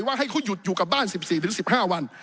ให้เขาหยุดอยู่กับบ้าน๑๔๑๕วัน